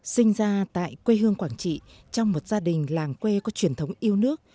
sinh ra tại quê hương quảng trị trong một gia đình làng quê có truyền thống yêu nước